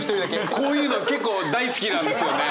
こういうのが結構大好きなんですよね！